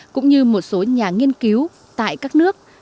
cũng như một số nhà nghiên cứu tại các công ty